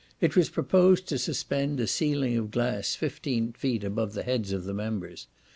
It was proposed to suspend a ceiling of glass fifteen feet above the heads of the members.